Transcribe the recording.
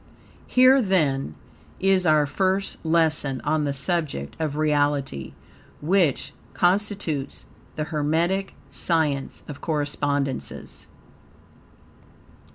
Here, then, is our first lesson on the subject of REALITY, which constitutes the Hermetic science of Correspondences.